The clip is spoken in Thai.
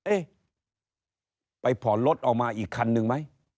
เอ๊ะไปผ่อนรถออกมาอีกคันนึงไหม